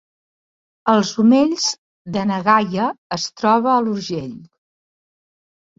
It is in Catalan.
Els Omells de na Gaia es troba a l’Urgell